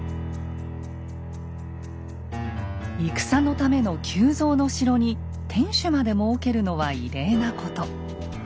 戦のための急造の城に天守まで設けるのは異例なこと。